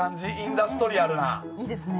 いいですね。